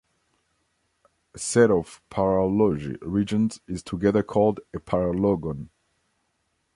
A set of paralogy regions is together called a paralogon.